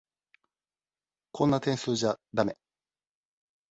こんな点数じゃだめ。